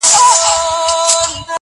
زیارت وتاته نه رسیږي!.